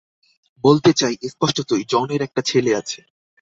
বলতে চাই, স্পষ্টতই, জনের একটা ছেলে আছে।